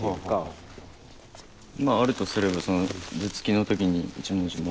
まああるとすればその頭突きの時に一文字も。